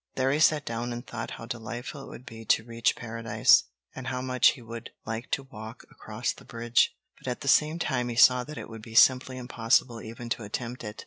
There he sat down and thought how delightful it would be to reach Paradise, and how much he would like to walk across the bridge; but at the same time he saw that it would be simply impossible even to attempt it.